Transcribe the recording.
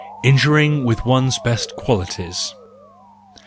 Injuring with one's best Qualities